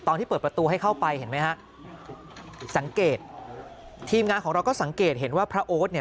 ตอนที่เปิดประตูให้เข้าไปเห็นไหมฮะสังเกตทีมงานของเราก็สังเกตเห็นว่าพระโอ๊ตเนี่ย